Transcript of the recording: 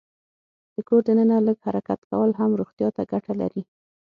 د کور دننه لږ حرکت کول هم روغتیا ته ګټه لري.